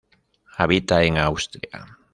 Habita en Austria.